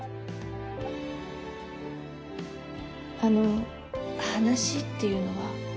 あの話っていうのは。